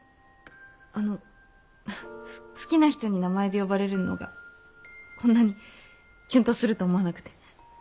あのすっ好きな人に名前で呼ばれるのがこんなにきゅんとすると思わなくて。